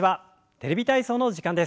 「テレビ体操」の時間です。